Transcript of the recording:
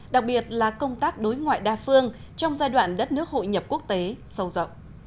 đặc biệt là công tác đối ngoại đa phương trong giai đoạn đất nước hội nhập quốc tế sâu rộng